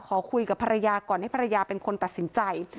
ขอคุยกับภรรยาก่อนให้ภรรยาเป็นคนตัดสินใจ